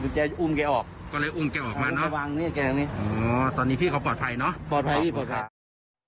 แกอุ้มแกออกก็เลยอุ้มแกออกมาเนอะตอนนี้พี่เขาปลอดภัยเนอะปลอดภัยพี่ปลอดภัย